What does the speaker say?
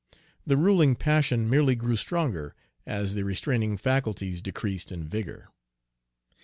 The ruling passion merely grew stronger as the restraining faculties decreased in vigor.